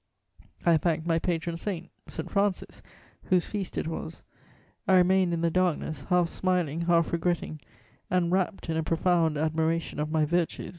I thanked my patron saint, St. Francis, whose feast it was; I remained in the darkness, half smiling, half regretting, and rapt in a profound admiration of my virtues.